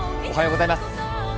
おはようございます。